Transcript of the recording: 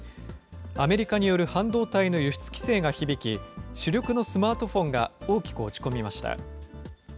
アメリカによる半導体の輸出規制が響き、主力のスマートフォンが大きく落ち込みました。